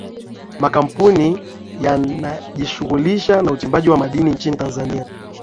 makampuni yanajishughulisha na uchimbaji wa madini nchini tanzania